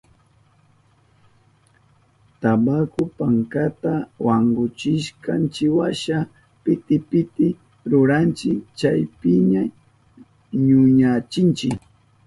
Tabaku pankata wankushkanchiwasha piti piti ruranchi, chaypiña ñuyuchinchi.